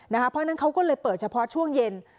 เพราะฉะนั้นเขาก็เลยเปิดเฉพาะช่วงเย็น